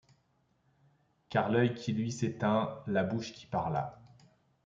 Car l’œil qui luit s'éteint, la bouche qui parla